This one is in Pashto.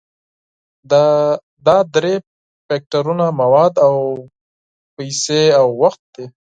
دا درې فکتورونه مواد او پیسې او وخت دي.